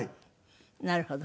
なるほど。